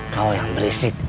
kau yang berisik